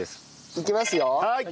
いきますよ。